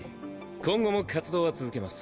今後も活動は続けます。